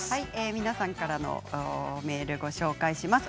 皆さんからのメールご紹介します。